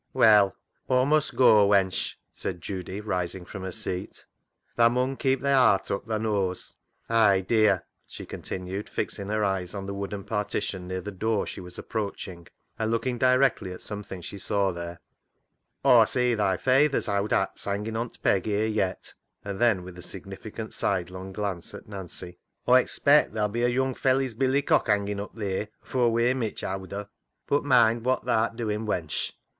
" Well ! Aw mun goa, wench," said Judy, rising from her seat. •* Tha mun keep thy 'art up, tha knows. Ay, dear," she continued, fixing her eye on the wooden partition near the door she was approaching, and looking directly at something she saw there, " Aw see thy fayther's owd hat's hanging on t'peg here yet," and then, with a significant sidelong glance at Nancy, " Aw expect there'll be a young felley's billycock hanging up theer afoor we're mitch owder. But mind wot th' art doin', wench.